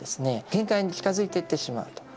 限界に近づいていってしまうと。